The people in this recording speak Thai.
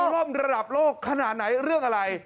ร่มระดับโลกขนาดไหนเรื่องอะไร